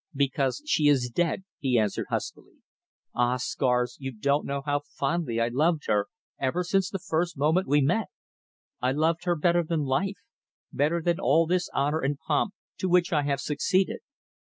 "Because she is dead!" he answered huskily. "Ah! Scars, you don't know how fondly I loved her ever since the first moment we met. I loved her better than life; better than all this honour and pomp to which I have succeeded.